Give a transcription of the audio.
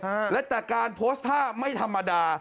และแต่การโพสท่าไม่ธรรมดา